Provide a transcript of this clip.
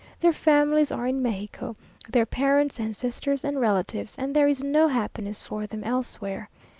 Their families are in Mexico their parents, and sisters, and relatives and there is no happiness for them elsewhere.